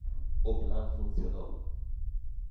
O plan funcionou.